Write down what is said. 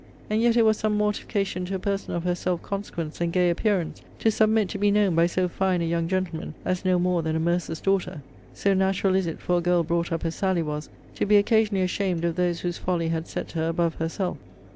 And yet it was some mortification to a person of her self consequence, and gay appearance, to submit to be known by so fine a young gentleman as no more than a mercer's daughter. So natural is it for a girl brought up as Sally was, to be occasionally ashamed of those whose folly had set her above herself.